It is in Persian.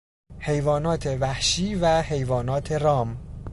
حیوانات وحشی و حیوانات رام